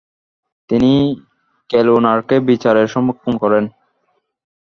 তিনি ক্যালোনারকে বিচারের সম্মুখীন করেন।